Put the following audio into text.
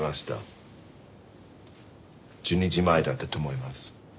１２時前だったと思います。